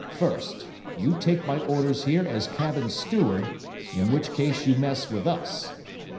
First, you take my orders here as cabin steward, in which case you mess with us.